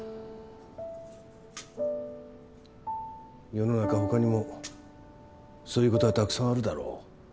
世の中ほかにもそういうことはたくさんあるだろう。